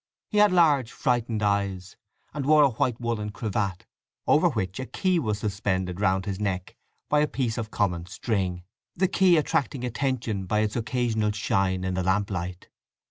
He had large, frightened eyes, and wore a white woollen cravat, over which a key was suspended round his neck by a piece of common string: the key attracting attention by its occasional shine in the lamplight.